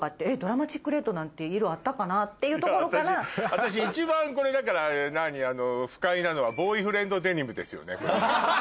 私一番これ不快なのは「ボーイフレンドデニム」ですよね。